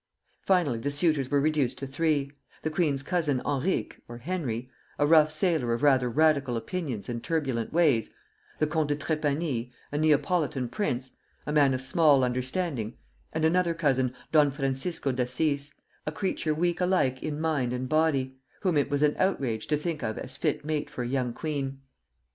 Finally the suitors were reduced to three, the queen's cousin Enrique (Henry), a rough sailor of rather radical opinions and turbulent ways; the Comte de Trepani, a Neapolitan prince, a man of small understanding; and another cousin, Don Francisco d'Assis, a creature weak alike in mind and body, whom it was an outrage to think of as fit mate for a young queen.